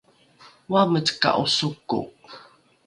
oameceka’o soko?